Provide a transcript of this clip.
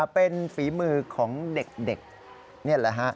เป็นฝีมือของเด็กนี่แหละฮะ